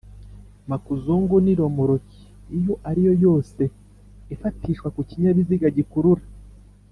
MakuzunguNi romoroki iyo ariyo yose ifatishwa ku kinyabiziga gikurura